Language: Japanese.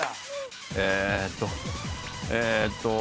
えーっとえーっと。